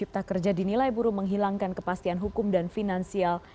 terima kasih sudah hadir